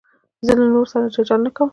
زه له نورو سره جنجال نه کوم.